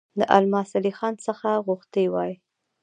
د الماس علي خان څخه غوښتي وای.